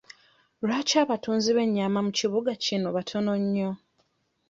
Lwaki abatunzi b'ennyama mu kibuga kino batono nnyo?